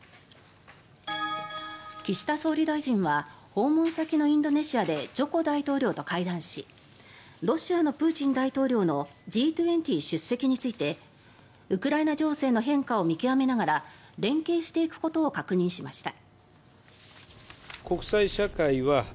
岸田総理大臣は訪問先のインドネシアでジョコ大統領と会談しロシアのプーチン大統領のＧ２０出席についてウクライナ情勢の変化を見極めながら連携していくことを確認しました。